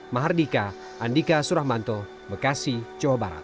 mahardika andika suramanto bekasi jawa barat